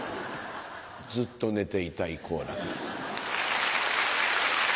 ずっと寝ていたい好楽です。